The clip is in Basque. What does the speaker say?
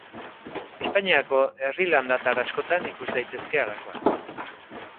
Espainiako herri landatar askotan ikus daitezke halakoak.